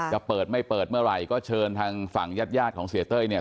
จะเปิดไม่เปิดเมื่อไหร่ก็เชิญทางฝั่งญาติญาติของเสียเต้ยเนี่ย